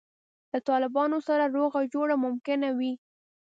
له طالبانو سره روغه جوړه ممکنه وي.